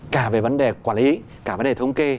cả về vấn đề quản lý cả vấn đề thống kê